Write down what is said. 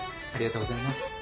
ありがとうございます。